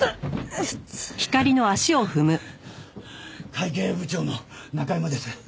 会計部長の中山です。